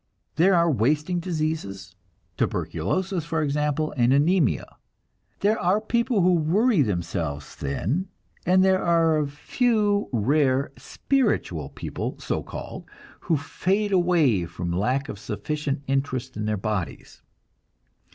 There are wasting diseases; tuberculosis, for example, and anemia. There are people who worry themselves thin, and there are a few rare "spiritual" people, so called, who fade away from lack of sufficient interest in their bodies.